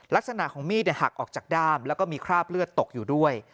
ลักษณะของมีดหักออกจากด้ามแล้วก็มีคราบเลือดตกอยู่ด้วย